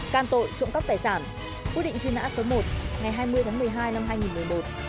can tội trộm cắp tài sản quyết định truy nã số một ngày hai mươi tháng một mươi hai năm hai nghìn một mươi một